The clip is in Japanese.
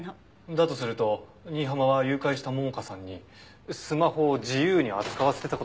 だとすると新浜は誘拐した桃香さんにスマホを自由に扱わせてた事になる。